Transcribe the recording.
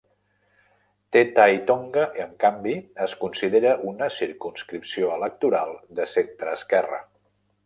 Te Tai Tonga, en canvi, es considera una circumscripció electoral de centreesquerra.